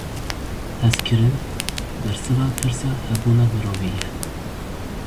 Hezkirin; bersiva pirsa hebûna mirovî ye.